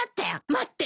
待って！